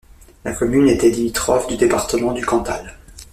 La commune était limitrophe du département du Cantal.